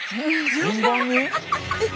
順番に？